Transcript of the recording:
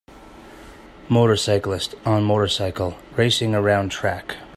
Motorcyclist on motorcycle racing around track.